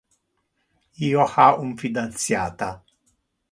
Io ha un fidantiata.